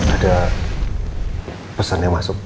ada pesan yang masuk